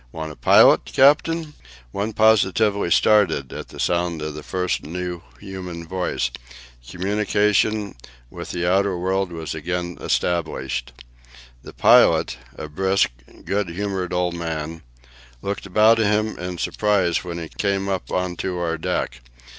"Want a pilot, captain?" One positively started at the sound of the first new human voice. Communication with the outer world was again established. The pilot a brisk, good humoured old man looked about him in surprise when he came up on to our deck.